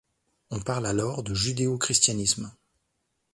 On parle alors de judéo-christianisme.